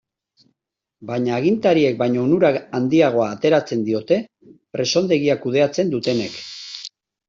Baina agintariek baino onura handiagoa ateratzen diote presondegia kudeatzen dutenek.